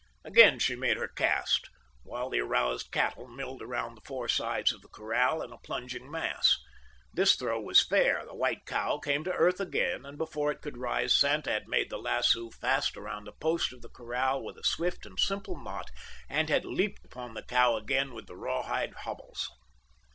Again she made her cast, while the aroused cattle milled around the four sides of the corral in a plunging mass. This throw was fair; the white cow came to earth again; and before it could rise Santa had made the lasso fast around a post of the corral with a swift and simple knot, and had leaped upon the cow again with the rawhide hobbles.